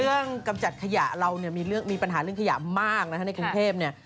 กำจัดขยะเราเนี่ยมีปัญหาเรื่องขยะมากนะคะในกรุงเทพเนี่ย